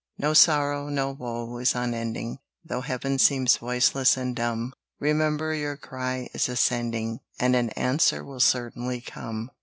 No sorrow, no woe, is unending; Though heaven seems voiceless and dumb, Remember your cry is ascending, And an answer will certainly come.